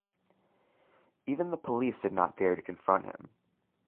Even the police did not dare to confront him.